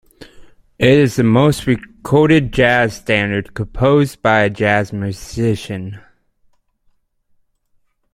It is the most recorded jazz standard composed by a jazz musician.